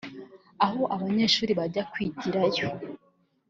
aho abanyeshuri bajya kwigirayo